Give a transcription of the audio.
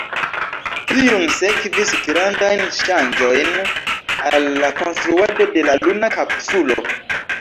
Tiun sekvis grandajn ŝanĝojn al la konstruado de la luna kapsulo.